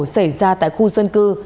xảy ra tại khu dân cư